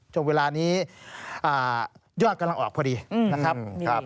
เวลานี้ยอดกำลังออกพอดีนะครับ